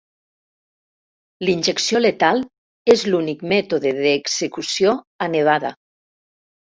La injecció letal és l'únic mètode d'execució a Nevada.